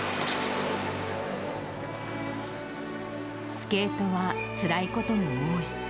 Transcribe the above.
スケートはつらいことも多い。